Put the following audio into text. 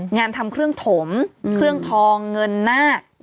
งานทำเครื่องถมเครื่องทองเงินนาค